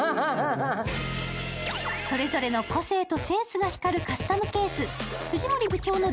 それぞれの個性とセンスが光るカスタムケース。